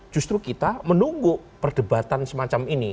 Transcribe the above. justru kita menunggu perdebatan semacam ini